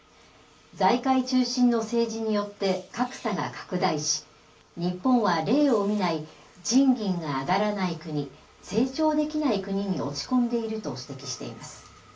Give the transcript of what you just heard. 財界中心の政治によって、格差が拡大し、日本は例をみない賃金が上がらない国、成長できない国に落ち込んでいると指摘しています。